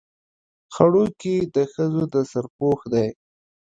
ځړوکی د ښځو د سر پوښ دی